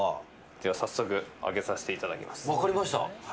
では早速開けさせていただきます。